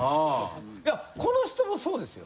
いやこの人もそうですよ。